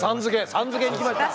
「さん」付け来ました。